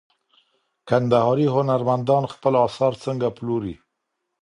کندهاري هنرمندان خپل اثار څنګه پلوري؟